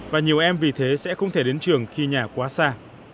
và nhiều em vì thế sẽ không thể đến trường khi nhà quá xa